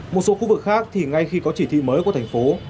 một số khu vực khác thì ngay khi có chỉ thị mới của thành phố